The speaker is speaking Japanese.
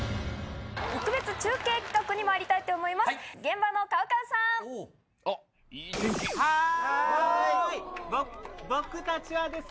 特別中継企画にまいりたいと思います。